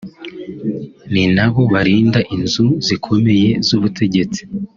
ni nabo barinda inzu zikomeye z’ubutegetsi